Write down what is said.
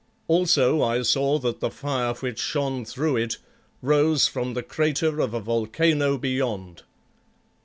Also I saw that the fire which shone through it rose from the crater of a volcano beyond.